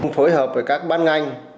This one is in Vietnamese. phối hợp với các bán ngành